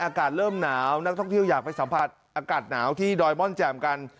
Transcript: อากาศเริ่มหนาวนักท่องเที่ยวอยากไปสัมผัสอากาศหนาวที่ดอยม่อนแจ่มกัน